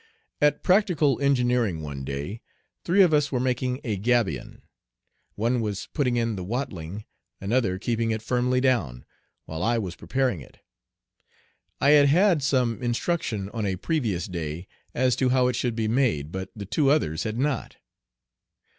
At practical engineering, one day, three of us were making a gabion. One was putting in the watling, another keeping it firmly down, while I was preparing it. I had had some instruction on a previous day as to how it should be made, but the two others had not.